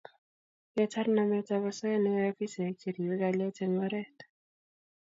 Ketar nametap osoya neyaei afisaek che ribei kalyet eng oret